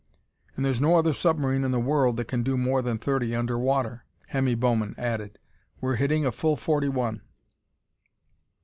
"And there's no other submarine in the world that can do more than thirty under water!" Hemmy Bowman added. "We're hitting a full forty one!"